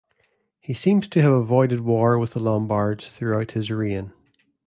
He seems to have avoided war with the Lombards throughout his reign.